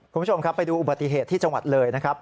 คุณผู้ชมครับไปดูอุบัติเหตุที่จังหวัดเลยนะครับ